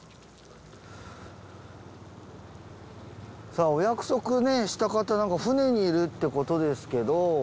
さぁお約束ねした方なんか船にいるってことですけど。